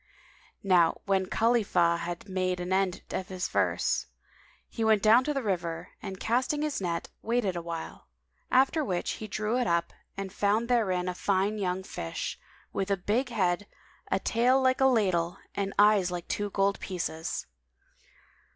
Now when Khalifah had made an end of his verse, he went down to the river and casting his net, waited awhile; after which he drew it up and found therein a fine young fish, [FN#194] with a big head, a tail like a ladle and eyes like two gold pieces.